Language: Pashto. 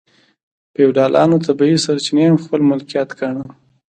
فیوډالانو طبیعي سرچینې هم خپل ملکیت ګاڼه.